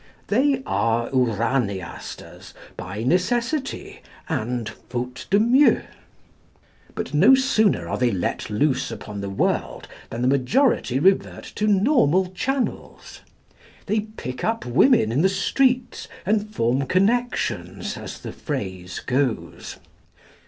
They are Uraniasters by necessity and faute de mieux. But no sooner are they let loose upon the world than the majority revert to normal channels. They pick up women in the streets, and form connections, as the phrase goes.